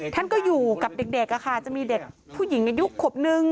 ท่านก็อยู่กับเด็กจะมีเด็กผู้หญิงอายุขวบนึง